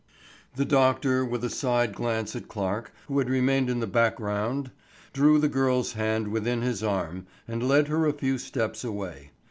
The doctor with a side glance at Clarke, who had remained in the background, drew the girl's hand within his arm and led her a few steps away.